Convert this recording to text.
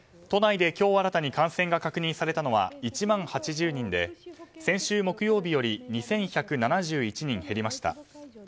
都内で今日新たに感染が確認されたのは１万８０人で先週木曜日より２１７８人減りました。